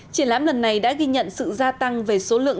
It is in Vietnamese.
triển lãm lần này đã ghi nhận sự gia tăng về số lượng